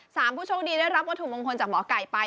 ผู้โชคดีได้รับวัตถุมงคลจากหมอไก่ไป